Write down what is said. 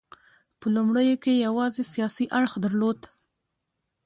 په لومړیو کې یوازې سیاسي اړخ درلود